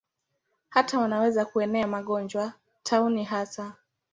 Hata wanaweza kuenea magonjwa, tauni hasa.